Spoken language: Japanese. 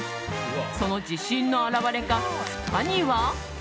その自信の表れか、ふたには。